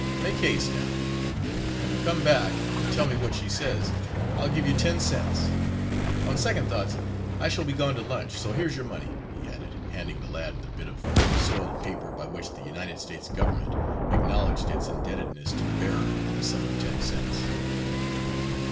"Make haste, now. When you come back and tell me what she says, I'll give you ten cents. On second thoughts, I shall be gone to lunch, so here's your money," he added, handing the lad the bit of soiled paper by which the United States government acknowledged its indebtedness to the bearer in the sum of ten cents.